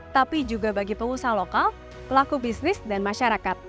tapi juga bagi pengusaha lokal pelaku bisnis dan masyarakat